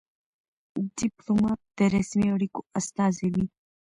ډيپلومات د رسمي اړیکو استازی وي.